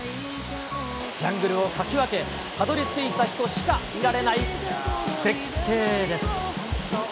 ジャングルをかき分け、たどりついた人しか見られない絶景です。